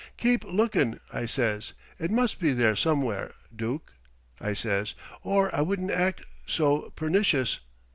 'Keep lookin'!' I says. 'It must be there somewhere, Dook,' I says, 'or I wouldn't act so pernicious.'